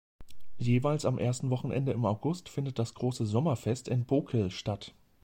Jeweils am ersten Wochenende im August findet das große Sommerfest in Bokel statt.